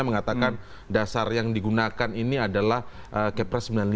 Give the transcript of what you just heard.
mengatakan dasar yang digunakan ini adalah kepres sembilan puluh lima